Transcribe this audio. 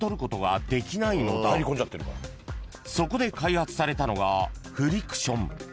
［そこで開発されたのがフリクション］